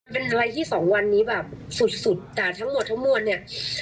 เป็นอะไรที่สองวันนี้แบบสุดสุดแต่ทั้งหมดทั้งมวลเนี่ย